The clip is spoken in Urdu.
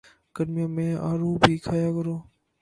گرمیوں میں آڑو بھی کھایا کرو